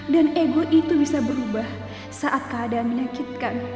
dan ego itu bisa berubah saat keadaan menyakitkan